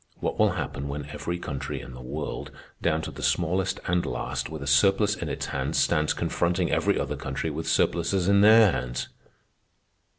What will happen when every country in the world, down to the smallest and last, with a surplus in its hands, stands confronting every other country with surpluses in their hands?"